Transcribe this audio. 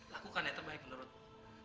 lakukan yang terbaik menurutmu